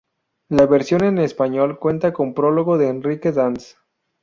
La versión en español cuenta con prólogo de Enrique Dans.